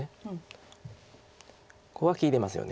ここが利いてますよね。